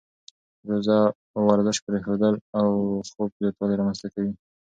روزه ورزش پرېښودل او خوب زیاتوالی رامنځته کوي.